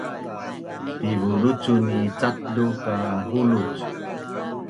Piluvucun ni catlu ka huluc